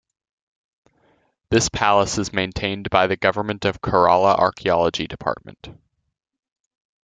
This Palace is maintained by the Govt.of Kerala Archaeology Department.